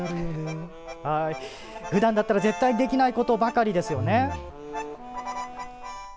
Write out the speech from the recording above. ふだんだったら絶対できないことばかりですよね。